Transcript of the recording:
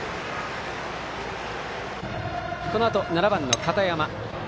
このあと７番の片山。